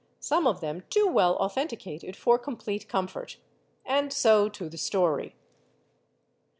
Some of them too well authenticated for complete comfort. And so to the story.